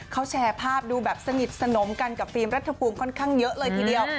เขาแชร์ภาพดูแบบสนิทสนมกันกับฟิล์มรัฐภูมิค่อนข้างเยอะเลยทีเดียว